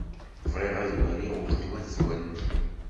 Bɣiɣ ad waliɣ weltma-twen.